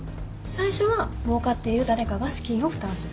最初はもうかっている誰かが資金を負担する。